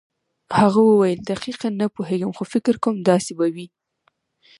هغه وویل دقیقاً نه پوهېږم خو فکر کوم داسې به وي.